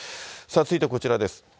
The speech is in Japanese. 続いてこちらです。